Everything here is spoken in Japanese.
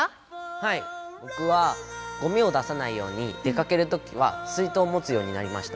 はいぼくはゴミを出さないように出かけるときはすいとうをもつようになりました。